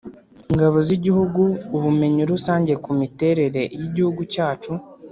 ingabo z'igihugu ubumenyi rusange ku miterere y'igihugu cyacu